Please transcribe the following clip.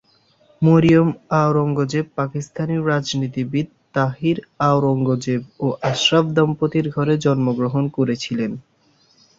মরিয়ম আওরঙ্গজেব পাকিস্তানি রাজনীতিবিদ তাহির আওরঙ্গজেব ও আশরাফ দম্পতির ঘরে জন্মগ্রহণ করেছিলেন।